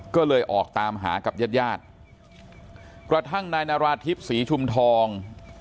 ก็เลยออกตามหากับญาติญาติกระทั่งนายนาราธิบศรีชุมทอง